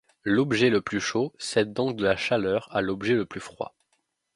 L’objet le plus chaud cède donc de la chaleur à l’objet le plus froid.